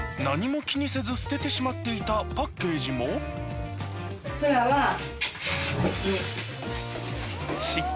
何も気にせず捨ててしまっていたパッケージもプラはこっち。